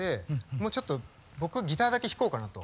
もうちょっと僕ギターだけ弾こうかなと。